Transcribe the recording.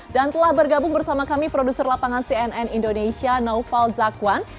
dan telah bergabung bersama kami produser lapangan cnn indonesia noval zakwan